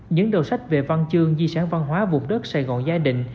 những đồ sách về văn chương di sản văn hóa vùng đất sài gòn gia đình